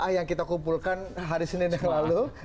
yang kita kumpulkan hari senin yang lalu